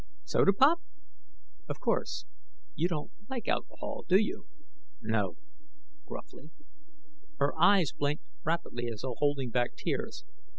"Soda pop? Of course. You don't like alcohol, do you?" "No." Gruffly. Her eyes blinked rapidly, as though holding back tears.